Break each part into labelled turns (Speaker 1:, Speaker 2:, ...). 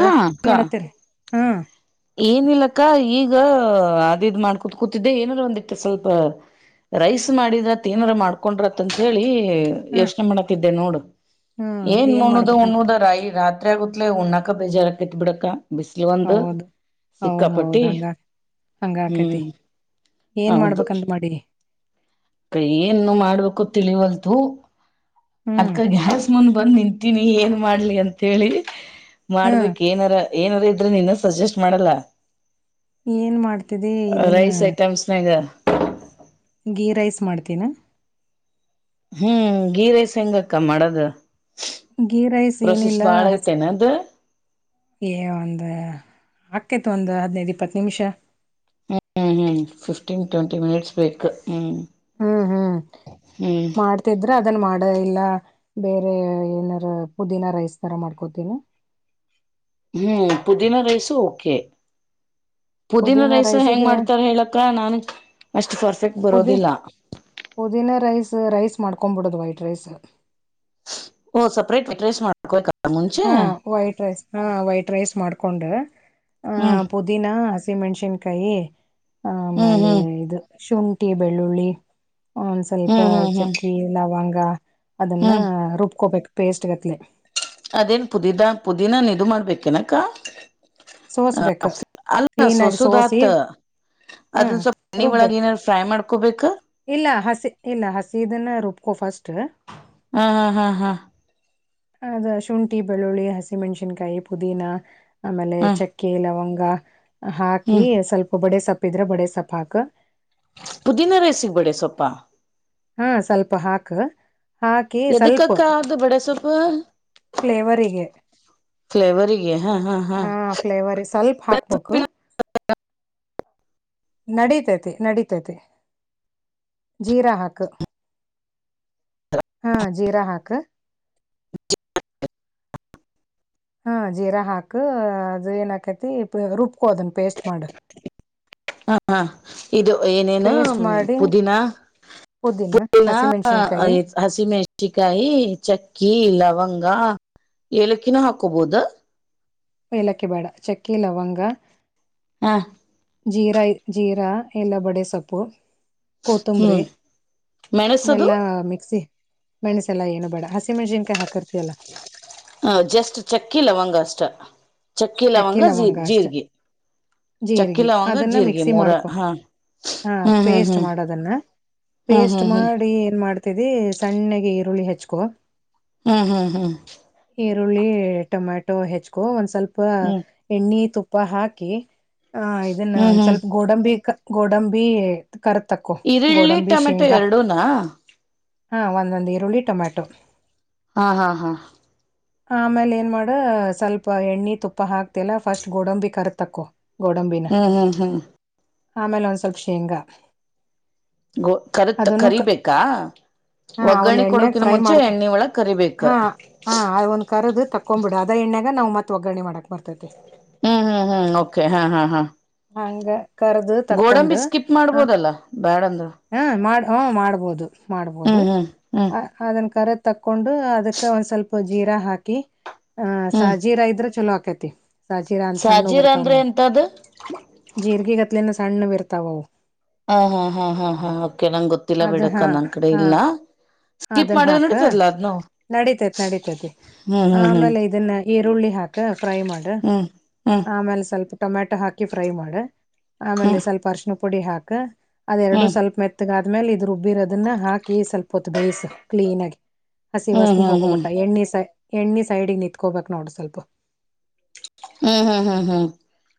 Speaker 1: ಹಾ ಅಕ್ಕ
Speaker 2: ಮಾಡಡತರ. ಹಾ.
Speaker 1: ಏನಿಲ್ಲಕ್ಕ ಈಗ ಅದಿದ್ ಮಾಡ್ಕೂತ್ ಕೂತಿದ್ದೆ ಏನಾರ ಒಂದಿತ್ತು ಸ್ವಲ್ಪ ರೈಸ್ ಮಾಡಿದ್ರತ್ ಏನಾರ ಮಾಡ್ಕೊಂಡ್ರತ್ ಅಂತ ಹೇಳಿ. ಏ
Speaker 2: ಹ
Speaker 1: ಯೋಚನೆ ಮಾಡತ್ತಿದ್ದೆ ನೋಡು
Speaker 2: ಹ್ಮ
Speaker 1: ಏನ್
Speaker 2: ಮಾಡ್ಬೇಕಂತ
Speaker 1: [unintelligible] ರಾಯ ರಾತ್ರಿ. [unintelligible] ಉಣ್ಣಕ ಬೇಜಾರಾಕ್ತತಿ ಬಿಡಕ್ಕ. ಬಿಸಿಲು ಒಂದು. ಸಿಕ್ಕಾಪಟ್ಟಿ
Speaker 2: ಹೌದೌದು ಹಂಗ ಹಂಗಕತಿ.
Speaker 1: ಹ್ಮ್
Speaker 2: ಏನ್ ಮಾಡ್ಬೇಕಂ [unintelligible] ಮಾಡಿ.
Speaker 1: ಕೈ ಏನು ಮಾಡ್ಬೇಕು ತಿಳಿವಲ್ತು.
Speaker 2: ಹ್ಮ್
Speaker 1: ಅದಕ ಗ್ಯಾಸ್ ಮುಂದ್. ಬಂದು ನಿಂತೀನಿ ಏನ್ ಮಾಡ್ಲಿ ಅಂತೇಳಿ.
Speaker 2: ಹ
Speaker 1: ಮಾಡ್ಬೇಕ್ ಏನಾರ. ಏನಾರ ಇದ್ರೆ ನೀನೆ ಸಜೆಸ್ಟ್ ಮಾಡಾಲ್ಲ.
Speaker 2: ಏನ್ ಮಾಡ್ತಿದಿ ಇದನ್ನ.
Speaker 1: ಐಟಮ್ಸ್ನಾಗ
Speaker 2: ಗೀ ರೈಸ್ ಮಾಡ್ತೀನ.
Speaker 1: ಹ್ಮ್ ಘೀ ರೈಸ್ ಹೆಂಗಕ್ಕ ಮಾಡದು.
Speaker 2: ಗೀ ರೈಸ್ ಏನಿಲ್ಲ ಹಸಿ
Speaker 1: ಐತೆೇನ ಅದು
Speaker 2: ಏ ಒಂದ್. ಹಾಕ್ಕೇತಿ ಒಂದು ಹದ್ನೈದು ಇಪ್ಪತ್ತು ನಿಮಿಷ.
Speaker 1: ಹ್ಮ ಹ್ಮ ಹ್ಮ ಫಿಫ್ಟೀನ್ ಟ್ವೆಂಟಿ ಮಿನಿಟ್ಸ್ ಬೇಕು ಹ್ಮ.
Speaker 2: ಹ್ಮ್ ಹ್ಮ್ ಮಾಡ್ತಿದ್ರ ಅದನ್ ಮಾಡೆ ಇಲ್ಲ ಬೇರೆ ಏನಾರ ಪುದೀನ ರೈಸ್ ತರ ಮಾಡ್ಕೋತಿನಿ.
Speaker 1: ಹ್ಮ್ ಪುದೀನ ರೈಸು ಓಕೆ. ಪುದೀನ ರೈಸ ಹೆಂಗ್ ಮಾಡ್ತಾರ ಹೇಳಕ್ಕ ನಾನ್. ಆಸ್ಟ್ [unintelligible]
Speaker 2: ಅದೆ ಪುದಿನ ರೈಸ್ ರೈಸ್. ಮಾಡ್ಕೊಂಬಿಡದು ವೈಟ್ ರೈಸ್.
Speaker 1: ಓ ಸಪರೇಟ್ ವೈಟ್ ರೈಸ್ ಮಾಡ್ಕೋಕ. ಮುಂಚೆ.
Speaker 2: ಹಾ ವೈಟ್ ರೈಸ್ ಮಾಡ್ಕೊಂಡೆ. ಹಾ
Speaker 1: ಹ್ಮ್
Speaker 2: ಪುದಿನಾ. ಹಸಿ ಮೆಣಸಿನಕಾಯಿ.
Speaker 1: ಹ್ಮ್
Speaker 2: ಆಮೇಲೆ
Speaker 1: ಹ್ಮ್
Speaker 2: ಇದು. ಶುಂಠಿ ಬೆಳ್ಳುಳ್ಳಿ. ಆ ಒಂದ್ ಸ್ವಲ್ಪ
Speaker 1: ಹ್ಮ್ ಹ್ಮ್ ಹ್ಮ್
Speaker 2: ಚಕ್ಕಿ ಲವಂಗ. ಅದನ್ನ
Speaker 1: ಹ್ಮ್
Speaker 2: ರೂಬ್ಕೋಬೇಕು. ಪೇಸ್ಟ್ ಗಟ್ಲೆ.
Speaker 1: ಅದೇನ್ ಪುದಿದ ಪುದೀನನ ಇದು ಮಾಡ್ಬೇಕೇನಕ. ಹ
Speaker 2: ಸೋಸ್ಬೇಕು
Speaker 1: ಅಲ್ಲ
Speaker 2: ಕ್ಲೀನಾಗಿ ಸೋಸಿ
Speaker 1: ಸೊಸದಾತು
Speaker 2: ಹಾ
Speaker 1: ಅದನ್ ಸ್ವಲ್ಪ ಎಣ್ಣಿ ಒಳಗ
Speaker 2: ರುಬ್ಬೇಕು
Speaker 1: ಏನರ ಫ್ರೈ ಮಾಡ್ಕ ಕುಬೇಕ್.
Speaker 2: ಇಲ್ಲ ಹಸಿ ಇಲ್ಲ ಹಸಿದನ್ನ ರುಬ್ಕೊ ಫಸ್ಟ್.
Speaker 1: ಹ ಹಾ ಹಾ ಹಾ
Speaker 2: ಅದ ಶುಂಠಿ ಬೆಳ್ಳುಳ್ಳಿ ಹಸಿಮೆಣ್ಸಿನ್ಕಾಯಿ ಪುದೀನಾ. ಆಮೇಲೆ
Speaker 1: ಹ್ಮ್
Speaker 2: ಚಕ್ಕೆ ಲವಂ ಗ ಹಾಕಿ
Speaker 1: ಹ್ಮ್
Speaker 2: ಸ್ವಲ್ಪ ಬಡೇ ಸಪ್ಪ್. ಪಿದ್ರ ಬಡೆ ಸೊಪ್ಪು ಹಾಕ್.
Speaker 1: ಪುದೀನ ರೈಸ್ಗ ಬಡೆ ಸೊಪ್ಪ.
Speaker 2: ಹಾ ಸ್ವಲ್ಪ ಹಾಕು. ಹಾಕಿ ಸ್ವಲ್ಪ
Speaker 1: ಎದುಕಕ್ಕಾ ಅದು ಬಡಸೊ ಪ್ಪ.
Speaker 2: ಫ್ಲೇವರಿಗೆ.
Speaker 1: ಫ್ಲೇವರಿಗೆ
Speaker 2: ಹಾ ಫ್ಲೇವರ್ಗ ಸ್ವಲ್ಪ ಹಾಕ್ಬಕು. ನಡಿತೇತಿ ನಡಿತೇತಿ ಜೀರಾ ಹಾಕು ಹಾ ಜೀರಾ ಹಾಕು.
Speaker 1: [inaudible]
Speaker 2: ಹಾ ಜೀರಾ ಹಾಕು ಅದು ಏನಾಕತಿ ಪುಳಿ ರುಬ್.
Speaker 1: ಹ ಹಾ ಇದು ಏನೇನು
Speaker 2: ಪೇಸ್ಟ್ ಮಾಡಿ
Speaker 1: ಪುದೀನಾ
Speaker 2: ಪುದೀನ
Speaker 1: ಪುದೀನಾ
Speaker 2: ಹಸಿಮೆಣಸಿನ್ಕಾಯಿ
Speaker 1: [unintelligible] ಹಸಿಮೆಣಸಿಕಾಯಿ ಚಕ್ಕಿ ಲವಂ [unintelligible] ಏಲಕ್ಕಿನೂ ಹಾಕೋಬೋದ.
Speaker 2: ಏಲಕ್ಕಿ ಬೇಡ ಚಕ್ಕೆ ಲವಂಗ.
Speaker 1: ಹಾ
Speaker 2: ಜೀರಾ ಜೀರಾ ಇಲ್ಲ ಬಡೆ ಸೊಪ್ಪು. ಕೊತ್ತಂಬರಿ
Speaker 1: ಹ್ಮ್ ಮೆಣಸದು
Speaker 2: ಎಲ್ಲಾ ಮಿಕ್ಸಿ. ಮಣ್ಸೆಲ್ಲ ಏನು ಬೇಡ ಹಸಿ ಮಣಸಿನ್ಕಾಯ ಹಾಕರ್
Speaker 1: ಹ ಜಸ್ಟ್ ಚಕ್ಕಿ ಲವಂಗ ಅಷ್ಟೆ.
Speaker 2: ಚಕ್ಕೆ ಲವಂಗ ಅಷ್ಟೆ
Speaker 1: ಚಕ್ಕಿ
Speaker 2: ಜೀರಿಗೆ
Speaker 1: ಲವಂಗ
Speaker 2: ಅದನ್ನ
Speaker 1: ಜೀರ್ಗಿ
Speaker 2: ಮಿಕ್ಸಿ
Speaker 1: ಮೂರ
Speaker 2: ಮಾಡ್ಕೊ
Speaker 1: ಹಾ
Speaker 2: ಹ
Speaker 1: ಹ್ಮ್ ಹ್ಮ್
Speaker 2: ಪೇಸ್ಟ್
Speaker 1: ಹ್ಮ್
Speaker 2: ಮಾಡೋದನ್ನ
Speaker 1: ಹ್ಮ್
Speaker 2: ಪೇಸ್ಟ್
Speaker 1: ಹ್ಮ್
Speaker 2: ಮಾಡಿ ಏನ್ ಮಾಡ ತದಿ ಸಣ್ಣಗೆ ಈರುಳ್ಳಿ ಹೆಚ್ಕೊ.
Speaker 1: ಹ್ಮ್ ಹ್ಮ್ ಹ್ಮ್
Speaker 2: ಈರುಳ್ಳಿ ಟೊಮೆಟೊ ಹೆಚ್ಕೊ ಒಂದ್ ಸ್ವಲ್ಪ್. ಪ್ಪ
Speaker 1: ಹ್ಮ್
Speaker 2: ಎಣ್ಣಿ ತು ಪ್ಪ ಹಾಕಿ ಆ ಇದನ್ನ
Speaker 1: ಹ್ಮ್
Speaker 2: ಒಂದ್
Speaker 1: ಹ್ಮ್
Speaker 2: ಸ್ವಲ್ಪ ಗೋಡಂಬಿ ಕ ಗೋಡಂಬಿ ಕರ್ದ್ ತಕ್ಕೋ
Speaker 1: ಈರುಳ್ಳಿ
Speaker 2: ಗೋಡಂಬಿ
Speaker 1: ಟೊಮೆಟೊ
Speaker 2: ಶೇಂಗಾ
Speaker 1: ಎರಡೂನಾ.
Speaker 2: ಹಾ ಒಂದೊಂದ್ ಈರುಳ್ಳಿ ಟೊಮ್ಯಾಟೊ.
Speaker 1: ಹಾ ಹಾ ಹಾ.
Speaker 2: ಆಮೇಲೆ ಏನ್ ಮಾಡ ಸ್ವಲ್ಪ ಎಣ್ಣಿ ತುಪ್ಪ ಹಾಕ್ತಿವಲ್ಲ ಫಸ್ಟ್ ಗೋಡಂಬಿ ಕರ್ತಕ್ಕೊ. ಗೋಡಂಬಿನ
Speaker 1: ಹ್ಮ್ ಹ್ಮ್ ಹ್ಮ್
Speaker 2: ಆಮೇಲೆ ಒಂದ್ ಸ್ವಲ್ಪ ಶೇಂಗಾ.
Speaker 1: ಗೊ ಕರತ್
Speaker 2: ಅದನ್ನು
Speaker 1: ಕರೀಬೇಕಾ.
Speaker 2: ಹಾ ಅವನ್
Speaker 1: ಒಗ್ಗರಣೆ
Speaker 2: ಎಣ್ಣೆಗ್
Speaker 1: ಕೊಡುಕಿನ
Speaker 2: ಫ್ರೈ
Speaker 1: ಮುಂಚೆ
Speaker 2: ಮಾಡ್ಕೊ
Speaker 1: ಎಣ್ಣಿ ಒಳಗ್ ಕರಿಬೇಕ
Speaker 2: ಹಾ ಹಾ ಅದ ಒಂದ ಕರದ ತಕ್ಕೊಂಬಿಡ. ದ ಎಣ್ಣ್ಯಾಗ ನಾವು ಮತ್ ಒಗ್ಗರಣೆ ಮಾಡಕ್ ಬರ್ತತಿ.
Speaker 1: ಹ್ಮ್ ಹ್ಮ್ ಹ್ಮ್ ಓಕೆ ಹಾ ಹಾ ಹಾ.
Speaker 2: ಹಂಗ ಕರ್ದು
Speaker 1: ಗೋಡಂಬಿ ಸ್ಕಿಪ್ ಮಾಡ್ಬೋದಲ್ಲಾ ಬ್ಯಾಡಂದ್ರ.
Speaker 2: ಹ್ಮ ಮಾಡ್ ಹ್ಞೂಂ ಮಾಡ್ಬೋದು. ಮಾಡ್ಬೋದು
Speaker 1: ಹ್ಮ್ ಹ್ಮ್ ಹ್ಮ್
Speaker 2: ಅ ಅದನ್ ಕರ ತಕ್ಕೊಂಡು ಅದಕ್ಕ ಒಂದ್ ಸ್ವಲ್ಪ ಜೀರಾ ಹಾಕಿ ಹಾ
Speaker 1: ಹ್ಮ್
Speaker 2: ಸಾಜೀರಾ ಇದ್ರ ಚುಲೋ ಆಗ್ ಕತಿ ಸಾಜೀರಾ ಅಂತ ಸಣ್ಣುವ್
Speaker 1: ಸಾಜೀರ
Speaker 2: ಬರ್ತಾವ್
Speaker 1: ಅಂದ್ರೆ
Speaker 2: ನೋಡ್
Speaker 1: ಎಂತದು
Speaker 2: ಜೀರ್ಗೀಗತ್ಲೆನ ಸ ಸಣ್ಣವ್ ಇರ್ತಾವವ್.
Speaker 1: ಹಾ ಹಾ. ಹಾ ಹಾ ಓಕೆ ನಂಗೆ ಗೊತ್ತಿಲ್ಲ
Speaker 2: ಅದ
Speaker 1: ಬಿಡಕ್ಕ
Speaker 2: ಹಾ
Speaker 1: ನನ್ ಕಡೆ
Speaker 2: ಹಾ
Speaker 1: ಇಲ್ಲ ಸ್ಕಿಪ್
Speaker 2: ಅದನ್ನ
Speaker 1: ಮಾಡಿದ್ರೆ
Speaker 2: ಹಾಕ
Speaker 1: ನಡೀತದಲ್ಲ ಅದ್ನು
Speaker 2: ನಡಿತತಿ ನಡತತಿ
Speaker 1: ಹ್ಮ್ ಹ್ಮ್
Speaker 2: ಆಮೇಲೆ ಇದನ್ನ ಈರುಳ್ಳಿ ಹಾಕ ಫ್ರೈ ಮಾಡ
Speaker 1: ಹ್ಮ್ ಹ್ಮ್
Speaker 2: ಆಮೇಲೆ ಸ್ವಲ್ಪ ಟೊಮೆಟೊ ಹಾಕಿ ಫ್ರೈ ಮಾಡ. ಆಮೇಲೆ
Speaker 1: ಹ್ಮ್ ಹ್ಮ್
Speaker 2: ಸ್ವಲ್ಪ ಅರಿಶ್ಣ ಪುಡಿ ಹಾಕ. ಅದ್ ಎರಡು
Speaker 1: ಹ್ಮ್
Speaker 2: ಸ್ವಲ್ಪ ಮೆತ್ತಗಾದ್ ಆಮೇಲ್ ಇದು ರುಬ್ಬಿರೋದನ್ನ ಹಾಕ್ ಅಕ್ಕಿ ಸ್ವಲ್ಪ ಹೊತ್ ಬೇಯ್ಸ ಕ್ಲೀನ್ ಆಗಿ ಹಸಿ
Speaker 1: ಹ್ಮ್ ಹ್ಮ್ ಹ್ಮ್
Speaker 2: ವಾಸ್ನೆ ಹೋಗೋ ಮಟ್ಟ
Speaker 1: ಹ್ಮ್
Speaker 2: ಎಣ್ಣೆ ಸಾಯ ಎಣ್ಣಿ ಸೈಡಿಗೆ ನಿಂತ್ಕೋಬೇಕ್ ನೋಡು ಸ್ವಲ್ಪ.
Speaker 1: ಹ್ಮ್ ಹ್ಮ್ ಹ್ಮ್ ಹ್ಮ್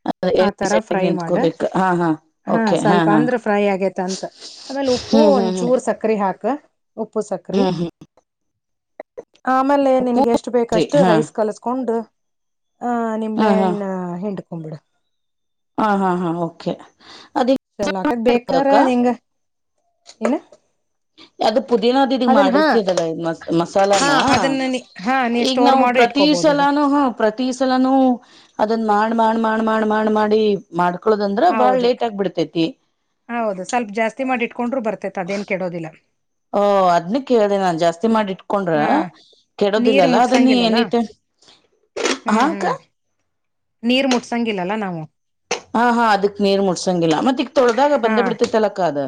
Speaker 1: ಆ ತರ ಎಣ್ಣಿ ಸೈಡ್ ಗೆ ನಿಂತ್ಕೋಬೇಕು ಹಾ ಹಾ ಓಕೆ ಹಾ
Speaker 2: ಸ್ವಲ್ಪ
Speaker 1: ಹಾ.
Speaker 2: ಅಂದ್ರ ಫ್ರೈ ಆಗೇತ ಅಂತ ಆಮೇಲೆ ಉಪ್ಪು
Speaker 1: ಹ್ಮ್
Speaker 2: ಒಂದ
Speaker 1: ಹ್ಮ್
Speaker 2: ಚೂರ್
Speaker 1: ಹ್ಮ್
Speaker 2: ಸಕ್ಕರೆ ಹಾಕ. ಉಪ್ಪು ಸಕ್ರೆ ಆಮೇಲೆ ನಿನಗೆ ಎಷ್ಟು
Speaker 1: ಪೂರಿ
Speaker 2: ಬೇಕಷ್ಟು
Speaker 1: ಹಾ
Speaker 2: ರೈಸ್ ಕಲಸ್ಕೊಂಡು. ಹ
Speaker 1: ಹಾ
Speaker 2: ನಿಂಬೆ
Speaker 1: ಹಾ
Speaker 2: ಹಣ್ಣು ಹಿಂಡ ಹೊಂಬಿಡು
Speaker 1: ಹಾ ಹಾ ಹಾ ಓಕೆ. ಅದ
Speaker 2: ಚಲೋ ಆಕತ್ ಬೇಕಾರ
Speaker 1: ಅಕ್ಕ
Speaker 2: ನಿಂಗ. ಏನ
Speaker 1: ಅದು ಪುದೀನ ಅದು ಇದೀಗ್
Speaker 2: ಅದನ್ನ ಹಾ
Speaker 1: ಮಾಡಿರ್ತಿದಲ್ಲ ಇದು ಮಸ್ ಮಸಾಲಾನ
Speaker 2: ಹಾ ಅದನ್ನ ನೀ ಹಾ ನೀ
Speaker 1: ಈಗ
Speaker 2: ಸ್ಟೋರ್
Speaker 1: ನಾವು
Speaker 2: ಮಾಡಿ
Speaker 1: ಪ್ರತಿ
Speaker 2: ಇಟ್ಕೋಬಹುದು ಅದನ್ನ
Speaker 1: ಸಲಾನೂ ಹೂಂ ಪ್ರತಿ ಸಲಾನೂ ಅದನ್ ಮಾಡ್ ಮಾಡ್ ಮಾಡ್ ಮಾಡ್ ಮಾಡ್ ಮಾಡಿ ಮಾಡು
Speaker 2: ಹೌದು ಹೌದು ಸ್ವಲ್ಪ ಜಾಸ್ತಿ ಮಾಡಿ ಇಟ್ಕೊಂಡ್ರೂ ಬರ್ತೆೇತ್ ಅದೇನ್ ಕೆಡೋದಿಲ್ಲ.
Speaker 1: ಓ ಅದ್ನ ಕೇಳಿದೆ ನಾನ್ ಜಾಸ್ತಿ ಮಾಡಿಟ್ ಕೊಂಡ್ರ
Speaker 2: ಹಾ ನೀರ್
Speaker 1: ಕೆಡೋದಿಲ್ಲಲ್ಲ ಅದ ನೀ
Speaker 2: ಮುಟ್ಸಂಗಿಲ್ಲಲ್ಲ
Speaker 1: ಎನಿ ಟೈಮ್ ಹಾ
Speaker 2: ಹ್ಮ್
Speaker 1: ಅಕ್ಕ.
Speaker 2: ಹ್ಮ್ ನೀರ್ ಮುಟ್ಸಂಗಿಲ್ಲಲ್ಲ ನಾವು.
Speaker 1: ಹಾ ಹಾ ಅದಕ್ ನೀರ್ ಮುಡ್ಸಂಗಿಲ್ಲ ಮತ್ತ ಈಗ ತೊಳ್ದಾಗ ಬಂದ ಬಿಡ್ತತ ಅಲ್ಲಕ್ಕ ಅದು.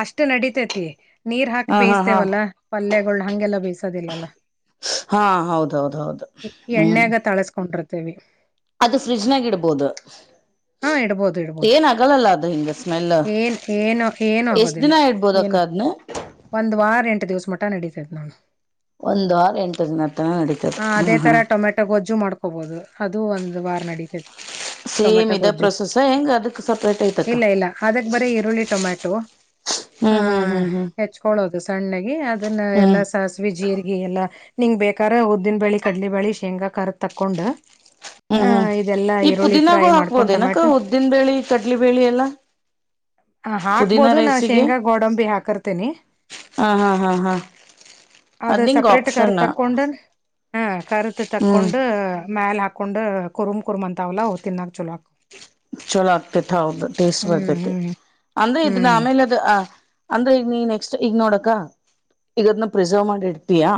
Speaker 2: ಅಷ್ಟು ನಡಿತೇತಿ ನೀರ್ ಹಾಕಿ
Speaker 1: ಹಾ ಹಾ ಹಾ
Speaker 2: ಬೇಯಿಸತೇವಲ್ಲಾ ಪಲ್ಯಗಳು ಹಂಗೆಲ್ಲ ಬೇಯಸೋದಿಲ್ಲಲ್ಲ
Speaker 1: ಹಾ ಹೌದೌದ ಹೌದು ಹ್ಮ್
Speaker 2: ಎಣ್ಣ್ಯಾಗ ತಾಳಸ್ಕೊಂಡ್ರ [unintelligible]
Speaker 1: ಅದು ಫ್ರಿಜ್ನಾಗ ಇಡ್ಬೋದು
Speaker 2: ಹಾ ಇಡ್ಬೋದು ಇಡ್ಬೋದು
Speaker 1: ಏನ ಆಗಲ್ಲಲ್ಲ ಅದು ಹಿಂಗ ಸ್ಮೆಲ್.
Speaker 2: ಏನ್ ಏನು ಏನು
Speaker 1: ಎಷ್ಟ್
Speaker 2: ಆಗದಿಲ್ಲ
Speaker 1: ದಿನ ಇಡ್ಬೋದಕ್ಕ
Speaker 2: ಏನು
Speaker 1: ಅದ್ನ
Speaker 2: ಒಂದ್ ವಾರ ಎಂಟು ದಿವ ವಸ ಮಟ ನಡೀತೇತಿ ನೋಡು.
Speaker 1: ಒಂದ್ ಆರು ಎಂಟು ದಿನ ತನ ನಡೀತದೆ
Speaker 2: ಹ ಅದೇ
Speaker 1: ಹ್ಮ್
Speaker 2: ತರ
Speaker 1: ಹ್ಮ್
Speaker 2: ಟೊಮೆಟೊ ಗೊಜ್ಜು ಮಾಡ್ಕೋಬಹದು ಅದು ಒಂ ವಾರ ನಡೀತೇ
Speaker 1: ಸೇಮ್ ಇದ ಪ್ರೊಸೆಸ್ ಹಾ ಹೆಂಗ ಅದಕ್ ಸಪ್ರೇಟ್ ಐತಕ್ಕ.
Speaker 2: ಹಾ
Speaker 1: ಹ್ಮ್ ಹ್ಮ್ ಹ್ಮ್ ಹ್ಮ್
Speaker 2: ಹೆಚ್ಕೊಳ್ಳೋದು ಸಣ್ಣಾಗಿ ಅದನ್ನ
Speaker 1: ಹ್ಮ್
Speaker 2: ಎಲ್ಲಾ ಸಾಸಿವಿ. ಜೀರಿಗಿ ಎಲ್ಲಾ ನಿಂಗ್ ಬೇಕಾರ ಉದ್ದಿನ ಬ್ಯಾಳಿ ಕಡಲಿ ಬ್ಯಾಳಿ ಶೇಂಗಾ ಖಾರದ ತಕ್ಕೊಂಡ.
Speaker 1: ಹ್ಮ್ ಹ್ಮ್ ಈ ಪುದೀನಾಗೂ
Speaker 2: ಮಾಡ್ಕೊಂಡ್
Speaker 1: ಹಾಕ್ಬೋದೇನಕ್ಕ
Speaker 2: ಟೊಮೆಟೊ
Speaker 1: ಉದ್ದಿನ ಬೇಳಿ ಕಡ್ಲಿ ಬೇಳಿ ಎಲ್ಲಾ.
Speaker 2: ಹ ಹಾಕ್ಬೋದು ನಾ ಶೇಂಗಾ ಗೋಡಂಬಿ ಹಾಕರ್ತೇನಿ
Speaker 1: ಹ ಹಾ ಹಾ ಹಾ
Speaker 2: ಅದು
Speaker 1: ಅದ್ ನಿಂಗ
Speaker 2: ಸಪ್ರೇಟ್
Speaker 1: ಆಪ್ಷನ್
Speaker 2: ಕರ್ದ್ ತಕ್ಕೊಂಡು ಹ ಕರ್ದ್
Speaker 1: ಹ್ಮ್
Speaker 2: ತಕ್ಕೊಂಡು. ಮ್ಯಾಲ ಹಾಕೊಂಡ್ ಕುರ್ಮ್ ಕುರ್ಮಂತಾವಲ್ಲ ಅವು ತಿನ್ನಾಕ್ ಚೊಲೋ ಆಕ್ ವು.
Speaker 1: ಚೋಲೋ ಆಗ್ತೇತ್ ಹೌದು ಟೇಸ್ಟ್
Speaker 2: ಹ್ಮ್
Speaker 1: ಬರ್ತೈತಿ.
Speaker 2: ಹ್ಮ್
Speaker 1: ಅಂದ್ರೆ ಇದನ್ನ
Speaker 2: ಹ್ಮ್
Speaker 1: ಆಮೇಲದು. ಅಂದ್ರೆ ಈಗ ನೀ ನೆಕ್ಸ್ಟ್ ಈಗ ನೋಡಕ್ಕ ಈಗದನ್ನ ಪ್ರಿಸರ್ವ್ ಮಾಡಿ ಇಡ್ತೀಯಾ.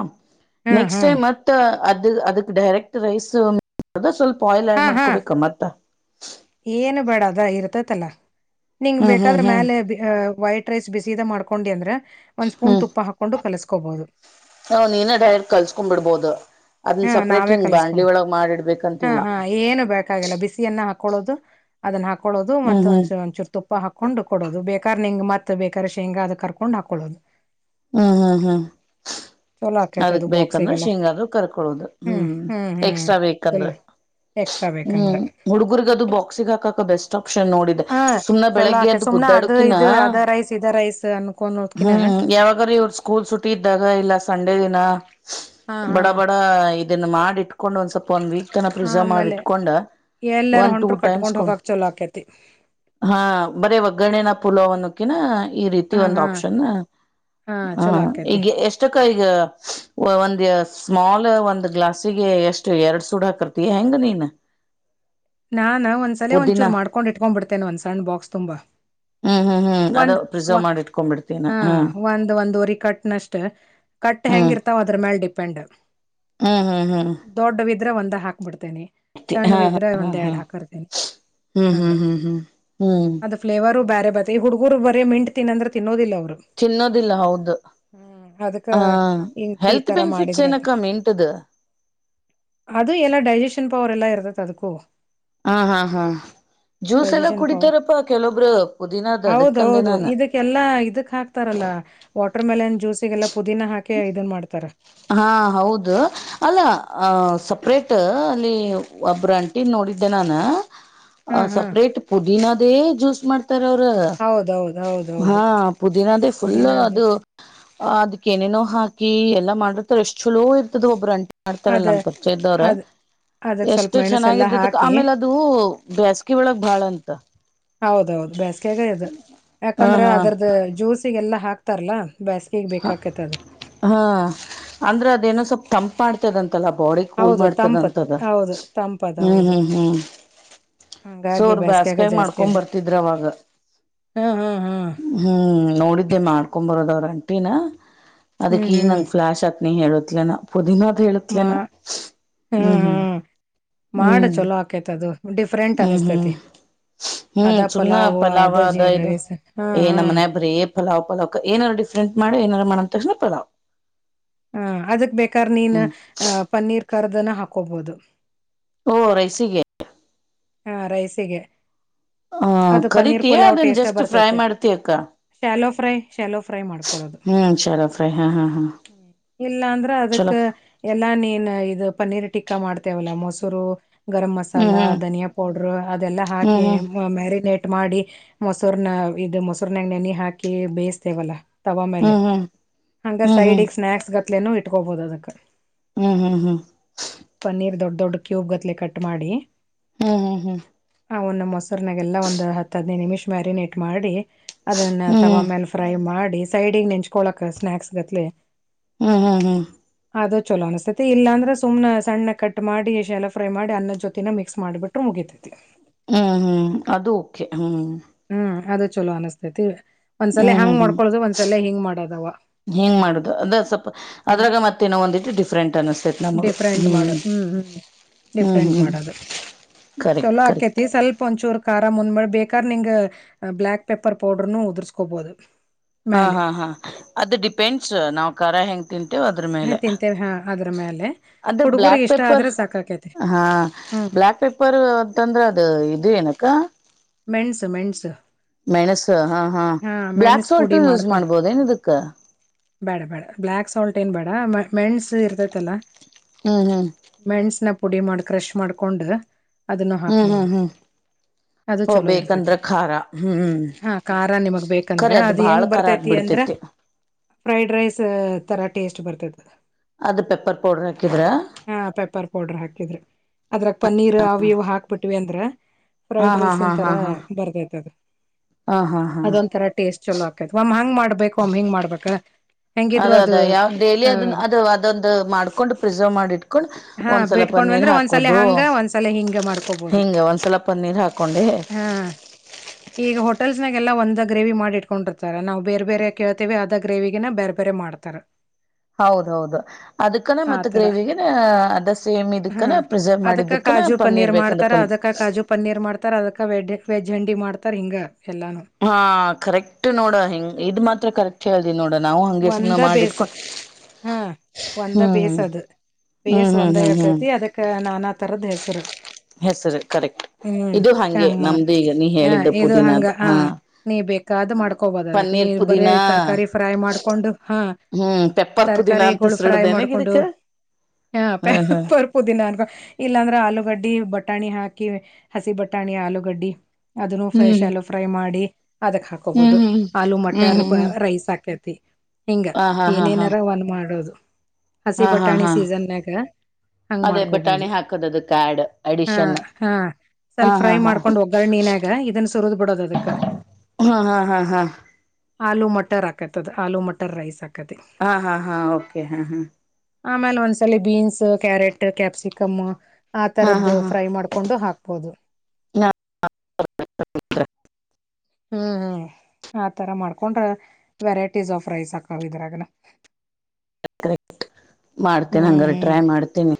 Speaker 2: ಹ್ಮ್
Speaker 1: ನೆಕ್ಸ್ಟ್
Speaker 2: ಹ್ಮ್
Speaker 1: ಟೈಮ್ ಮತ್ತ. ಅದು ಅದಕ್ ಡೈರೆಕ್ಟ್ ರೈಸ್ [unintelligible] ಸ್ವಲ್ಪ್. ಬಾಯ್ಲ್
Speaker 2: ಹಾ
Speaker 1: ಆಡ್
Speaker 2: ಹಾ
Speaker 1: ಮಾಡ್ಕೋಬೇಕ ಮತ್ತ.
Speaker 2: ಏನು ಬೇಡ ಅದ್ರ ಇರ್ತತಲ್ಲ. ನಿಂಗ್
Speaker 1: ಹ್ಮ್ ಹ್ಮ್
Speaker 2: ಬೇಕಾದ್ರ
Speaker 1: ಹ್ಮ್
Speaker 2: ಮ್ಯಾಲ [unintelligible] ವೈಟ್ ರೈಸ್ ಬಿಸಿದ ಮಾಡ್ಕೊಂಡಿ ಅಂದ್ರ ಒಂದ್ ಸ್ಪೂನ್ ತುಪ್ಪ ಹಾಕೊಂಡು ಕಲಸ್. ಕ್ಕೋಬೋದು.
Speaker 1: ಹಾ ನೀನೇ ಡೈರೆಕ್ಟ್ ಕಲ್ಸ್ಕೊಂಬಿಡ್ಬೋದು.
Speaker 2: ಹ್ಮ ನಾವೇ ಕಲ್ಸ್ಕೊಬೇ ಹ್ಮ
Speaker 1: ಮಾಡಿಡ್ಬೇಕಂತಿಲ್ಲ
Speaker 2: ಹ್ಮ ಏನು ಬೇಕಾಗಲ್ಲ ಬಿಸಿಯನ್ನ ಹಾ ಕೊಳ್ಳೋದು ಅದನ್ನ ಹಾಕ ಕೊಳ್ಳೋದು ಮತ್ತ
Speaker 1: ಹ್ಮ್ ಹ್ಮ್
Speaker 2: ಒಂಚ ಒಂಚೂರು ತುಪ್ಪ ಹಾಕೊಂಡು ಕೊಡೋದು ಬೇಕಾರ ನಿಂಗ್ ಮತ್ತ. ಮತ್ತೆ ಬೇಕಾರೆ ಶೇಂಗ ಅದು ಕರ್ಕೊಂಡ್ ಹಾಕೊಳ್ಳೋದು.
Speaker 1: ಹ್ಮ್ ಹ್ಮ್ ಹ್ಮ್
Speaker 2: ಚಲೋ ಆಕೈತ್
Speaker 1: ಅದಕ್
Speaker 2: ಅದು
Speaker 1: ಬೇಕಂದ್ರೆ
Speaker 2: ಬಾಕ್ಸಿಗೆಲ್ಲ
Speaker 1: ಶೇಂಗಾದ್ರು ಕರ್ಕೊ. [unintelligible] ಹ್ಮ
Speaker 2: ಹ್ಮ್ ಹ್ಮ್ ಹ್ಮ್
Speaker 1: ಎಕ್ಸ್ಟ್ರಾ ಬೇಕ್ ಅಂದ್ರೆ
Speaker 2: ಚಲೋ ಎಕ್ಸ್ಟ್ರಾ ಬೇಕಂದ್ರ
Speaker 1: ಹ್ಮ್ ಹುಡುರ್ಗದು ಬಾಕ್ಸಿಗಾಕಕ ಬೆಸ್ಟ್ ಆಪ್ಷನ್ ನೋಡಿ
Speaker 2: ಹ
Speaker 1: ಸುಮ್ನೆ
Speaker 2: ಚಲೋ ಆಕೆ
Speaker 1: ಬೆಳಗ್ಗೆದ್ದು
Speaker 2: ಸುಮ್ನೆ ಅದು
Speaker 1: ಗುದ್ದಾಡಕಿನ
Speaker 2: ಇದು ಅದ ರೈಸ್ ಇದ ರೈಸ್ ಅನ್ಕೋನೋದ್ಕಿನ
Speaker 1: ಹ್ಮ್ ಯಾವಾಗರ ಇವ್ರ ಸ್ಕೂಲ್ ಸುಟ್ಟಿ ಇದ್ದಾಗ ಇಲ್ಲ ಸಾ [unintelligible] ದಿನ
Speaker 2: ಹಾ
Speaker 1: ಬಡ
Speaker 2: ಹಾ
Speaker 1: ಬಡ ಇ ಇದನ್ನ ಮಾಡಿಟ್ಕೊಂಡು ಒಂದ್ ಸ್ವಪ್. ಒನ್ ವೀಕ್ ತನ ಪ್ರಿಸರ್ವ್ ಮಾಡಿ
Speaker 2: ಆಮೇಲೆ
Speaker 1: ಇಟ್ಕೊಂಡ
Speaker 2: ಎಲ್ಲಾರ
Speaker 1: ಒನ್ ಟು
Speaker 2: ಹೊಂಟ್ರು
Speaker 1: ಟೈಮ್ಸ್
Speaker 2: ಕಟ್ಕೊಂಡ್
Speaker 1: ಕೊಡು
Speaker 2: ಹೋಗಾಕ್ ಚಲೋ ಆಕೇತಿ
Speaker 1: ಹಾ ಬರೆ ಒಗ್ಗರಣೆನ. ಪುಲಾವನ್ನಿಕ್ಕಿನ. ಈ ರೀತಿ
Speaker 2: ಹಾ
Speaker 1: ಒಂದು
Speaker 2: ಹಾ
Speaker 1: ಆಪ್ಷನ್
Speaker 2: ಹಾ
Speaker 1: ಹ
Speaker 2: ಚಲೋ ಆಕೇತಿ
Speaker 1: ಈಗ ಎಷ್ಟ ಒಂದು ಸ್ಮಾಲ್ ಒಂದ್ ಗ್ಲಾಸಿಗೆ ಎಷ್ಟು ಎರಡ್ ಸೂಡ್ ಹಾಕರ್ತಿಯ ಹೆಂಗ ನೀನು.
Speaker 2: ನಾನ ಒಂದ್ಸಲೆ ಒಂದಚೂರು ಮಾಡ್ಕೊಂಡ್ ಇಟ್ಕೊಂಡ್ಬಿಡ್ತೇನೆ ಒಂದ್ಸಣ್ಣ ಬಾಕ್ಸ್ ತುಂಬಾ
Speaker 1: ಹ್ಮ್ ಹ್ಮ್ ಹ್ಮ್ ಅದ
Speaker 2: ಒಂದ್
Speaker 1: ಪ್ರಿಸರ್ವ್
Speaker 2: ವ
Speaker 1: ಮಾಡಿ ಇಟ್ಕೊಂಡ್ಬಿಡ್ತೀನ
Speaker 2: ಹ
Speaker 1: ಹಾ
Speaker 2: ಒಂದ್ ಒಂದ್ವರಿ ಕಟ್ನಷ್ಟ. ಕಟ್
Speaker 1: ಹ್ಮ್
Speaker 2: ಹೆಂಗಿರ್ತಾವ ಅದ್ರ ಮ್ಯಾಲ ಡಿಪೆಂಡ್.
Speaker 1: ಹ್ಮ್ ಹ್ಮ್ ಹ್ಮ್
Speaker 2: ದ್ದಾರೆ ಒಂದ ಹಾಕ್ಬಿ [unintelligible] ಸಣ್ಣ ವಿದ್ರೆ
Speaker 1: ಹ
Speaker 2: ಒಂದ್. ಎರಡ್
Speaker 1: ಹ್ಮ್
Speaker 2: ಹಾಕರ್ತೇನಿ
Speaker 1: ಹ್ಮ್
Speaker 2: ಹಂಗ
Speaker 1: ಹ್ಮ್ ಹ್ಮ್ ಹ್ಮ್.
Speaker 2: ಬೇರೆ ಬತ್ತ ಈ ಹುಡುಗುರು ಬರೆ ಮಿಂಟ್ ತಿನ್ನ ಅಂದ್ರ ತಿನ್ನೋದಿಲ್ಲ ಅವರು.
Speaker 1: ತಿನ್ನೋದಿಲ್ಲ ಹೌದು
Speaker 2: ಅದಕ್ಕ
Speaker 1: ಹ
Speaker 2: ಹಿಂಗ್ ಈ
Speaker 1: ಹೆಲ್ತ್
Speaker 2: ತರ
Speaker 1: ಬೆನಿಫಿಟ್ಸ್
Speaker 2: ಮಾಡಿದ್ರ
Speaker 1: ಏನಕ್ಕ ಮಿಂಟ್ದು.
Speaker 2: ಅದು ಎಲ್ಲ ಡೈಜಷನ್ ಪವರ್ ಎಲ್ಲಾ ಇರ್ತಾದ್ದೆ ಅದುಕ್ಕೂ.
Speaker 1: ಹಾ ಹಾ ಹಾ ಜ್ಯೂಸ್ ಎಲ್ಲ
Speaker 2: ಡೈಜೆಷನ್ ಪವರ್
Speaker 1: ಕುಡಿತಾರಪ್ಪಾ ಕೆಲೊಬ್ರು ಪುದೀನದ ಅದಕ್ಕಂದೆ
Speaker 2: ಹೌದೌದು
Speaker 1: ನಾನು.
Speaker 2: ಇದಕ್ಕೆಲ್ಲಾ ಇದಕ್ ಹಾಕ್ತಾರಲ್ಲ ವಾಟರ್ ಮೇಲೆನ್ ಜ್ಯೂಸಿಗೆಲ್ಲ ಪುದೀನ ಹಾಕೇ ಇದನ್ ಮಾಡ್ತಾರ.
Speaker 1: ಹಾ ಹೌದು ಅಲ್ಲ ಸಪ್ರೇಟ್ ಅಲ್ಲಿ ಒಬ್ರ ಅಂಟಿ ನೋಡಿದ್ದೆ ನಾನು.
Speaker 2: ಹಾ
Speaker 1: ಆ
Speaker 2: ಹಾ
Speaker 1: ಸಪ್ರೇಟ್ ಪುದೀನದೇ ಜ್ಯೂಸ್ ಮಾಡ್ ತರ ಅವ್ರು
Speaker 2: ಹೌದೌದ್
Speaker 1: ಹಾ
Speaker 2: ಹೌದೌದು
Speaker 1: ಪುದೀನದೇ ಫುಲ್
Speaker 2: ಪುದೀನ ಅದ
Speaker 1: ಅದು ಅದಕ್ಕೆನೆನೋ ಹಾಕ [unintelligible] ಎಲ್ಲ ಮಾಡ [unintelligible] ಎಷ್ಟು ಚಲೋ ಇರ್ತದ ಒಬ್ರ [unintelligible]
Speaker 2: ಅದ ಹದ್ ಅದಕ್ ಸ್ವಲ್ಪ
Speaker 1: ಎಷ್ಟು
Speaker 2: ಮೆಣಸೆಲ್ಲಾ
Speaker 1: ಚೆನ್ನಾಗಿರ್ತೈತ
Speaker 2: ಹಾಕಿ
Speaker 1: ಆಮೇಲೆ ಅದು ಬೇಸ್ಗೆ ಒಳಗ್ ಬಾಳ ಅಂತ
Speaker 2: ಹೌದೌದು ಬ್ಯಾಸಗೆಗೆ ಅದು
Speaker 1: ಹ
Speaker 2: ಯಾಕಂದ್ರೆ
Speaker 1: ಹಾ
Speaker 2: ಅದರದ ಜ್ಯೂಸಿಗೆಲ್ಲಾ ಹಾಕ್ ತರ್ಲ.
Speaker 1: ಹ ಹಾ ಅಂದ್ರೆ ಅದೇನೋ ಸ್ವಪ್ ತಂಪ್. [unintelligible] [unintelligible] ಬಾಡಿ ಕೂಲ್
Speaker 2: ಹೌದು ತಂಪತ್
Speaker 1: ಮಾಡ್ತದಂತದು
Speaker 2: ಹೌದು ತಂಪದ
Speaker 1: ಹ್ಮ್
Speaker 2: ಹೌದು
Speaker 1: ಹ್ಮ್ ಹ್ಮ್ ಸೊ
Speaker 2: ಹಂಗಾಗಿ
Speaker 1: ಅವ್ರ
Speaker 2: ಬೇಸ್ಗೆಗ
Speaker 1: ಬ್ಯಾಸ್ಗೆಗ
Speaker 2: ಜಾಸ್ತಿ
Speaker 1: ಮಾಡ್ಕೊಂಡ್
Speaker 2: ಅದ
Speaker 1: ಬರ್ತಿದ್ರ ಅವಾಗ
Speaker 2: ಹಾ ಹಾ ಹಾ
Speaker 1: ಹ್ಮ್ ನೋಡಿದ್ದೆ ಮಾಡ್ [unintelligible] ಟೀನ.
Speaker 2: ಹ್ಮ್
Speaker 1: ಅದಕೀಗ್
Speaker 2: ಹ್ಮ್
Speaker 1: ನಂಗ್ ಫ್ಲಾಷ್ ಆತ್ ನೀ ಹೇಳೋದ್. [unintelligible] ಪುದೀನಾ.
Speaker 2: ಮಾ ಹ್ಮ್ ಹ್ಮ್ ಮಾಡ
Speaker 1: ಹ್ಮ್
Speaker 2: ಚಲೋ ಆಕೈತದು.
Speaker 1: ಹ್ಮ್ ಹ್ಮ್
Speaker 2: ಅದ
Speaker 1: ಹ್ಮ್ ಸುಮ್ನ
Speaker 2: ಪಲಾವು
Speaker 1: ಪಲಾವ್ ಅದ
Speaker 2: ಜೀರಾ
Speaker 1: ಇದು
Speaker 2: ರೈಸ್ ಹಾ
Speaker 1: ಏ
Speaker 2: ಹಾ
Speaker 1: ನಮ್ಮನೆಗ ಬರೇ ಪಲಾವ್ ಪಲಾವ್ ಏನಾರು ಡಿಫ್ರೆಂಟ್. ಮಾಡು ಏನಾರ ಮಾಡನ್ತಕ್ಷಣ ಪಲಾವ್.
Speaker 2: ಹ ಅದಕ್ ಬೇಕಾರ್ ನೀನ್
Speaker 1: ಹ್ಮ್
Speaker 2: ಅ ಪನ್ನೀರ್. ಕರ್ದನ ಹಾಕೋಬೋದು.
Speaker 1: ಓ ರೈಸಿಗೆ.
Speaker 2: ಹಾ ರೈಸಿಗೆ.
Speaker 1: ಹ
Speaker 2: ಅದು ಪನ್ನೀರ್
Speaker 1: ಕರಿತೀಯ
Speaker 2: ಪುಲಾವ್
Speaker 1: ಅದನ್ನ
Speaker 2: ಟೇಸ್ಟ್
Speaker 1: ಜಸ್ಟ್ ಫ್ರೈ
Speaker 2: ಬರ್ತೈತಿ
Speaker 1: ಮಾಡ್ತೀಯ ಅಕ್ಕ
Speaker 2: ಶಾಲೋ ಫ್ರೈ ಶಾಲೋ ಫ್ರೈ ಮಾಡ್ಕೋಳೊದು
Speaker 1: ಹ್ಮ್ ಶಾಲೋ ಫ್ರೈ ಹಾ ಹಾ ಹಾ
Speaker 2: ಹ್ಮ್ ಇಲ್ಲ ಅಂದ್ರ ಅದಕ್ಕ
Speaker 1: ಚಲೋ
Speaker 2: ಎಲ್ಲಾ ನೀನ್ ಇದ್ ಪನ್ನೀರ್ ಟಿಕ್ಕಾ ಮಾಡ್ತೇವಲ್ಲ ಮೊಸುರೂ ಗರಂ
Speaker 1: ಹ್ಮ್
Speaker 2: ಮಸಾಲಾ
Speaker 1: ಹ್ಮ್
Speaker 2: ಧನಿಯಾ ಪೌಡ್ರು ಅದೆಲ್ಲ ಹಾಕಿ
Speaker 1: ಹ್ಮ್
Speaker 2: ಮ್ಯಾರಿನೇಟ್ ಮಾಡಿ ಮೊಸುರ್ನ ಇದ್ ಮೊಸುರ್ನ ಣೆನೆ ಹಾಕಿ ಬೇಸ್ತೇವಲ್ಲ ತವಾ ಮೇಲೆ
Speaker 1: ಹ್ಮ್ ಹ್ಮ್
Speaker 2: ಹಂಗ
Speaker 1: ಹ್ಮ್ ಹ್ಮ್ ಹ್ಮ್
Speaker 2: ಸೈಡಿಗ್ ಸ್ನ್ಯಾಕ್ಸ್ [unintelligible] ಇಟ್ಕೋಬಹುದು ಅದಕ್ಕ
Speaker 1: ಹ್ಮ್ ಹ್ಮ್ ಹ್ಮ್
Speaker 2: ದೊಡ್ಡ್ ಕ್ಯೂಬ್ ಗತ್ಲೆ ಕಟ್ ಮಾಡಿ
Speaker 1: ಹ್ಮ್ ಹ್ಮ್ ಹ್ಮ್
Speaker 2: ಆ ಒಂದ್ ಮೊಸುರ್ನಾಗೆಲ್ಲ ಒಂದ್ ಹತ್ತ್ ಹದಿನೈದ್ ನಿಮಿಷ ಮ್ಯಾರಿನೇಟ್ ಮಾಡಿ ಅದನ್ನ ತವಾ ಮೇಲೆ ಫ್ರೈ ಮಾಡ್ ಸೈಡಿಗ್ ನೆಂಚ್ಕೊಳಕ್ಕ್ ಸ್ನಾಕ್ಸ್ ಗತ್ಲೆ
Speaker 1: ಹ್ಮ್ ಹ್ಮ್ ಹ್ಮ್
Speaker 2: ಅದು ಚಲೋ ಅನ್ಸ್ತೈತಿ ಇಲ್ಲಾಂದ್ರೆ ಸುಮ್ನ ಸಣ್ಣ ಕಟ್ ಮಾಡಿ ಶಾಲೋ ಫ್ರೈ ಮಾಡಿ ಅನ್ನದ್ ಜೊತೆನು ಮಿಕ್ಸ್ ಮಾಡಿಬಿಟ್ಟ್ ಟ್ರು ಮುಗ್ಯಿತೈತಿ
Speaker 1: ಹ್ಮ್ ಹ್ಮ್ ಅದು ಓಕೆ ಹ್ಮ್
Speaker 2: ಹ್ಮ್ ಅದ ಚಲೋ ಅನಸ್ತೈತಿ ಒಂದ್ಸಲ
Speaker 1: ಹ್ಮ್
Speaker 2: ಹಂಗ್
Speaker 1: ಹ್ಮ್ ಹ್ಮ್
Speaker 2: ಮಾಡ್ಕೊಳೋದು ಒಂದ್ಸಲ ಹಿಂಗ್ ಮಾಡೋದವ
Speaker 1: ಹಿಂಗ್ ಮಾಡುದು ಅದ ಸ್ವಲ್ಪ
Speaker 2: ಹ್ಮ್
Speaker 1: ಅದ್ರಾಗ ಮತ್ತೇನೋ ಒಂದಿಷ್ಟು ಡಿಫ್ರೆಂಟ್ ಅನಸ್ತೇತ್ ನಮಗ
Speaker 2: ಡಿಫ್ರೆಂಟ್
Speaker 1: ಹ್ಮ್
Speaker 2: ಮಾಡು ಹ್ಮ್
Speaker 1: ಹ್ಮ್
Speaker 2: ಡಿಫ್ರೆಂಟ್
Speaker 1: ಹ್ಮ್
Speaker 2: ಮಾಡೋದು
Speaker 1: ಕರೆಕ್ಟ್ ಕರೆಕ್ಟ್.
Speaker 2: ಬೇಕ ನಿಂಗ ಬ್ಲಾಕ್ ಪೆಪ್ಪರ್ ಪೌಡರ್ನು ಉದೃಸ್ಕೋಬಹುದು
Speaker 1: ಹಾ ಹಾ ಹಾ ಅದು ಡಿಪೆಂಡ್ಸ್ ನಾವ್ ಖರ ಹೆಂಗ್ ತಿನ್ ಅದ್ರ
Speaker 2: ಹ
Speaker 1: ಮೇಲೆ
Speaker 2: ತಿಂತೇವೆ ಹಾ ಅದ್ರ ಮ್ಯಾಲೆ
Speaker 1: ಅದ ಬ್ಲಾಕ್
Speaker 2: ಹುಡುಗರಿಗೆ ಇಷ್ಟ
Speaker 1: ಪೆಪ್ಪರ್
Speaker 2: ಆದ್ರೆ ಸಾಕಾಕೈತಿ
Speaker 1: ಹಾ
Speaker 2: ಹ್ಮ್
Speaker 1: ಬ್ಲಾಕ್ ಪೆಪ್ಪರ್ರ್ ಅಂತಂದ್ರೆ ಅದು ಇದು ಏನಕ್ಕ
Speaker 2: ಮೆಣಸು ಮೆಣಸು
Speaker 1: ಮೈಣಸ್ ಹಾ ಹಾ ಬ್ಲ್ಯಾಕ್
Speaker 2: ಮೆಣಸ್
Speaker 1: ಸಾಲ್ಟ
Speaker 2: ಪುಡಿ
Speaker 1: ಯೂಸ್
Speaker 2: ಮಾಡ್ಕೊಂಡ್
Speaker 1: ಮಾಡ್ಬೋದ ಏನ ಇದಕ್ಕ
Speaker 2: ಬೇಡ ಬೇಡ ಬ್ಲ್ಯಾಕ್ ಸಾಲ್ಟ್ ಏನ್ ಬೇಡ ಮ ಮೆಣಸ ಇರ್ತೈತಲ್ಲಾ
Speaker 1: ಹ್ಮ್ ಹ್ಮ್
Speaker 2: ಮೆಣ್ಸ್ನ ಪುಡಿ ಮಾಡಿ ಕ್ರಶ್ ಮಾಡ್ಕೊಂಡು ಅದನ್ನು
Speaker 1: ಹ್ಮ್ ಹ್ಮ್
Speaker 2: ಹಾಕ್ಬೋದು
Speaker 1: ಹ್ಮ್
Speaker 2: ಅದು
Speaker 1: ಹೋ
Speaker 2: ಚಲೋ ಇರ್ತತಿ
Speaker 1: ಬೇಕಂದ್ರ ಖಾರ ಹ್ಮ್
Speaker 2: ಹಾ ಖಾರ ನಿಮಗ್
Speaker 1: ಖರೆ
Speaker 2: ಬೇಕಂದ್ರೆ
Speaker 1: ಅದ್
Speaker 2: ಅದು
Speaker 1: ಬಾಳ
Speaker 2: ಹೆಂಗ
Speaker 1: ಖಾರ
Speaker 2: ಬರ್ತೈತಿ ಅಂದ್ರೆ
Speaker 1: ಆಗ್ಬಿಡ್ತೇತಿ
Speaker 2: ಫ್ರೈಡ್ ರೈಸ್ ತರಾ. ಟೇಸ್ಟ್ ಬರ್ತತದ.
Speaker 1: ಅದು ಪೆಪ್ಪರ್ ಪೌಡ್ರ್ ಹಾಕಿದ್ರ
Speaker 2: ಹ ಪೆಪರ್ ಪೌಡರ್ ಹಾಕಿದ್ರ ಅದ್ರ ಪನ್ನೀರ್. ಅವು ಇವು ಹಕ್ಬಿಟ್ವಿ ಅಂದ್ರೆ.
Speaker 1: ಹಾ
Speaker 2: ಫ್ರೈಡ್
Speaker 1: ಹಾ
Speaker 2: ರೈಸ್
Speaker 1: ಹಾ
Speaker 2: ಇನ್ ತರ
Speaker 1: ಹಾ ಹಾ
Speaker 2: ಬರ್ಬೆಕ್ ಅದು.
Speaker 1: ಹಾ ಹಾ ಹಾ
Speaker 2: ಅದೊ ಒಂತರ ಟೇಸ್ಟ್ ಚಲೋ ಆಕತಿ ಓಮ್ ಹಂಗ್ ಮಾಡ್. ಬೇಕ್ ಓಮ್ ಹಿಂಗ್ ಮಾಡ್ಬೇಕ
Speaker 1: ಅದ
Speaker 2: ಹೆಂಗಿದ್ರು
Speaker 1: ಅದ
Speaker 2: ಅದು.
Speaker 1: ಯಾವ ಡೈಲಿ ಅದನ್ ಅದ್ ಅದೊಂದು ಮಾಡೊಂಡ ಪ್ರಿಸರ್ವ್ ಮಾಡೊಂಡ
Speaker 2: ಹಾ
Speaker 1: ಒಂದ್ಸಲ
Speaker 2: ಬಿಟ್ಕೊಂಡ್ವಿ
Speaker 1: ಪನ್ನೀರ್
Speaker 2: ಅಂದ್ರ ಒಂದ್ಸಲ
Speaker 1: ಹಾಕೋದು
Speaker 2: ಹಂಗ ಒಂದ್ಸಲ ಹಿಂಗ ಮಾಡ್ಕೋಬಹುದು
Speaker 1: ಹೆಂಗ್ ಒಂದ್ಸಲ ಪನ್ನೀರ್ ಹಾಕೊಂಡಿ.
Speaker 2: ಎಲ್ಲಾ ಒಂದ ಗ್ರೇವಿ ಮಾಡಿ ಇಟ್ಕೊಂಡಿರ್ತಾರ ನಾವು ಬೇರ್ ಬೇರೆ ಕೇಳ್ತಿವಿ ಅದ ಗ್ರೇವಿಗೇನ ಬೇರ್ ಬೇರೆ ಮಾಡ್ತಾರ.
Speaker 1: ಹೌದೌದು ಅದಕನ ಮತ್ತ
Speaker 2: ಆತರ
Speaker 1: ಗ್ರೇವಿಗೆನ ಅದ ಸೇಮ್
Speaker 2: ಹಾ
Speaker 1: ಇದಕ್ಕನ ಪ್ರಿಸರ್ವ್
Speaker 2: ಅದಕ್ಕ
Speaker 1: ಮಾಡಿದ್ದಕ್ಕನ
Speaker 2: ಕಾಜು ಪನ್ನೀರ್
Speaker 1: ಪನ್ನೀರ್ಬೇಕಂದ
Speaker 2: ಮಾಡ್ತಾರ
Speaker 1: ಪನ್ನೀರ್.
Speaker 2: ಅದಕ್ಕ ಕಾಜು ತರಿಂಗ.
Speaker 1: ಹಾ ಕರೆಕ್ಟ್ ನೋಡ ಹೆಂಗ್ ಇದ ಮಾತ್ರ ಕರೆಕ್ಟ್. ಹೇಳ್ದಿ ನೋಡನ್.
Speaker 2: ಒಂದ ಬೇಸ್ ಹಾ ಒಂದ
Speaker 1: ಹ್ಮ್
Speaker 2: ಬೇಸ್ ಅದು
Speaker 1: ಹ್ಮ್
Speaker 2: ಬೇಸ್
Speaker 1: ಹ್ಮ್
Speaker 2: ಒಂದ
Speaker 1: ಹ್ಮ್ ಹ್ಮ್
Speaker 2: ಇರ್ತತಿ ಅದಕ್ಕೆ ನಾನ ತರದ ಹೆಸ್ ರ್.
Speaker 1: ಹೆಸರು ಕರೆಕ್ಟ್
Speaker 2: ಹ್ಮ್
Speaker 1: ಇದು ಹಂಗೆ
Speaker 2: ಹೆಂಗ್ ಮಾಡ್
Speaker 1: ನಮ್ದು ಈಗ ನೀ
Speaker 2: ಹ
Speaker 1: ಹೇಳಿದ್ದ
Speaker 2: ಇದು
Speaker 1: ಪುದೀನ
Speaker 2: ಹಂಗ
Speaker 1: ಅದ
Speaker 2: ಹ
Speaker 1: ಹಾ
Speaker 2: ನೀ ಬೇಕಾದ್ ಮಾಡ್ಕೋಬೋದ ಅದಕ್ಕೆ ನೀ
Speaker 1: ಪನ್ನೀರ್
Speaker 2: ಬರೀ
Speaker 1: ಪುದೀನಾ
Speaker 2: ತರ್ಕಾರಿ ಫ್ರೈ ಮಾಡ್ ಹಕೊಂಡು ಹಾ
Speaker 1: ಹ್ಮ್ ಪೆಪ್ಪರ್ ಪುದೀನ ಅಂತ
Speaker 2: ತರಕಾರಿಗಳು ಫ್ರೈ
Speaker 1: ಹೆಸರಿಡದೇನಗ
Speaker 2: ಮಾಡಕೊಂಡು
Speaker 1: ಇದಕ್ಕ
Speaker 2: ಹ ಪ
Speaker 1: ಹಾ ಹಾ
Speaker 2: ಪರ್ಪ ದಿನ ಅನ್ಕೊಂಡ ಇಲ್ಲಾಂದ್ರೆ ಆಲೂಗಡ್ಡಿ ಬಟ್ ಣಿ ಹಾಕಿ ಹಸಿ ಬಟಾಣಿ ಆಲೂಗಡ್ಡಿ. ಅದನ್ನು ಫ
Speaker 1: ಹ್ಮ್
Speaker 2: ಶಲ್ಲ ಫ್ರೈ ಮಾಡಿ. ಅದಕ್ ಹಾಕೋಬಹುದು
Speaker 1: ಹ್ಮ್ ಹ್ಮ್
Speaker 2: ಆಲೂ
Speaker 1: ಹ್ಮ್
Speaker 2: ಮಟರ್
Speaker 1: ಹ್ಮ್
Speaker 2: ಪ್
Speaker 1: ಹ್ಮ್
Speaker 2: ರೈಸ್ ಹಾಕೈ ತ್ತಿ. ಹಿಂಗ
Speaker 1: ಹ ಹಾ ಹಾ ಹಾ
Speaker 2: ಏನೇನಾರ ಒನ್ ಮಾಡೋದು. ಹಸಿ
Speaker 1: ಹಾ ಹಾ
Speaker 2: ಬಟಾಣಿ
Speaker 1: ಹಾ
Speaker 2: ಸೀಸನ್ಯಾಗ ಹಂಗ್
Speaker 1: ಅದೇ
Speaker 2: ಮಾಡ್ಕೋಬೋದು
Speaker 1: ಬಟಾಣಿ ಹಾಕದ ಅದಕ್ಕೆ ಆಡ್
Speaker 2: ಹಾ
Speaker 1: ಅಡಿಷನ್
Speaker 2: ಹಾ
Speaker 1: ಹಾ
Speaker 2: ಸ್ವಲ್ಪ
Speaker 1: ಹಾ
Speaker 2: ಫ್ರೈ
Speaker 1: ಹಾ
Speaker 2: ಮಾಡ್ಕೊಂಡ್ ಒಗ್ಗರಣನ್ಯಾಗ ಇದನ್ನ ಸುರದ್ ಬಿಡೋದು ಅದಕ್ಕ.
Speaker 1: ಹಾ ಹಾ ಹಾ ಹಾ
Speaker 2: ಆಲೂ ಮಟರ್ ಅಕ್ಕತಿ ಆಲೂ ಮಟ್ ರ್ ರೈಸ್ ಹ
Speaker 1: ಹಾ ಹಾ ಹಾ ಓಕೆ ಹಾ ಹಾ.
Speaker 2: ಆಮೇಲೆ ಒಂದ್ಸಲ ಬೀನ್ಸ್ ಕ್ಯಾರೆಟ್ ಕ್ಯಾಪ್ಸಿಕಮ್.
Speaker 1: ಹಾ ಹಾ
Speaker 2: ಆತರದ್ದು
Speaker 1: ಹಾ
Speaker 2: ಫ್ರೈ ಮಾಡ್ಕೊಂಡು ಹಾಕ್ಬೋದು.
Speaker 1: ನಾ
Speaker 2: ಹ್ಮ್ ಹ್ಮ್ ಆತರ ಮಾಡ್ಕೊಂಡ್ರ ವೆರೈಟೀಸ್ ಆಫ್ ರೈಸ್ ಹಾಕವ್ ಇದ್ರಗನ.
Speaker 1: [unintelligible] ಮಾಡ್ತೇನಿ ಹಂಗಾರ ಟ್ರೈ ಮಾಡ್ತೀನಿ.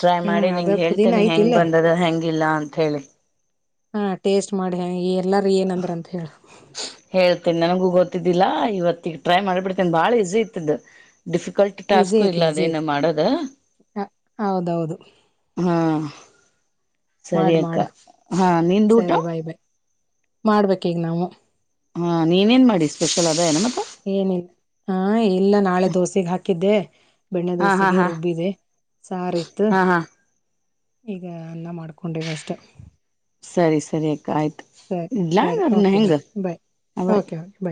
Speaker 1: ಟ್ರೈ
Speaker 2: ಹ್ಮ್ ಹ್ಮ್
Speaker 1: ಮಾಡಿ
Speaker 2: ಅದ
Speaker 1: ನಿಂಗ್
Speaker 2: ಪುದೀನ
Speaker 1: ಹೇಳ್ತೇನಿ ಹೆಂಗ್
Speaker 2: ಐತಿಲ್ಲ
Speaker 1: ಬಂದದ ಹೆಂಗಿಲ್ಲ ಅಂತ ಹೇಳಿ.
Speaker 2: ಹಾ ಟೇಸ್ಟ್ ಮಾಡಿ ಹೆಂಗ್ ಏನ್. ಎಲ್ಲಾರ ಏನಂದ್ರ ಅಂತ ಹೇಳ್.
Speaker 1: ತ್ತನ್ ನನಗೂ ಗೊತ್ತಿದ್ದಿಲ್ಲಾ ಇವತಿಗ್ ಟ್ರೈ ಮಾಡ್ಬಿಡ್ತೇನ್ ಬಾಳ ಈಸಿ ಐತ್ಅದು. ಡಿಫಿಕಲ್ಟ್
Speaker 2: ಈಸಿ
Speaker 1: ಟಾಸ್ಕು ಇಲ್ಲ
Speaker 2: ಐತಿ ಈಸಿ
Speaker 1: ಅದೇನು
Speaker 2: ಐತಿ
Speaker 1: ಮಾಡೋದು
Speaker 2: ಹ ಹೌದೌದು
Speaker 1: ಹಾ. ಸರಿ
Speaker 2: ಮಾಡ್
Speaker 1: ಅಕ್ಕ
Speaker 2: ಮಾಡು
Speaker 1: ಹಾ ನಿಂದು ಊಟ.
Speaker 2: ಮಾಡ್ಬೇಕ್ ಈಗ್ ನಾವು.
Speaker 1: ಹಾ ನೀನೇನ್ ಮಾಡಿ ಸ್ಪೆಷಲ್ ಅದ ಏನ್ ಮತ್.
Speaker 2: ಏನಿಲ್ ಹಾ ಇಲ್ಲ ನಾಳೆ ದೋಸಿಗ್ ಹಾಕಿದ್ದೆ. ಬೆಣ್ಣೆ
Speaker 1: ಹಾ ಹಾ
Speaker 2: ದೋಸೆಗೆ
Speaker 1: ಹಾ
Speaker 2: ರುಬ್ಬಿದೆ ಸಾರ್ ಇತ್ತು.
Speaker 1: ಹಾ ಹಾ
Speaker 2: ಈಗ ಅನ್ನ ಮಾಡ್ಕೊಂಡಿವ್ ಅಷ್ಟ.
Speaker 1: ಸರಿ ಸರಿ. ಆಯ್ತ್
Speaker 2: ಸರಿ ಸರಿ
Speaker 1: ಇಡ್ಲಾನಾ
Speaker 2: ಓಕೆ ಬಾಯ್
Speaker 1: ಹೆಂಗ
Speaker 2: ಬಾಯ್
Speaker 1: ಹಾ ಬೈ.
Speaker 2: ಓಕೆ ಓಕೆ ಬಾಯ್